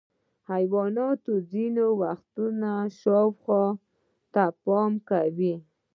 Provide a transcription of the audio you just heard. حیوانات ځینې وختونه خپل شاوخوا ته پام کوي.